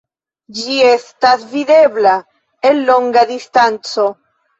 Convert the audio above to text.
Ĝi estas videbla el longa distanco.